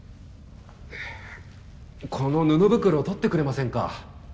この布袋を取ってくれませんか？